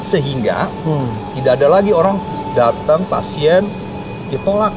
sehingga tidak ada lagi orang datang pasien ditolak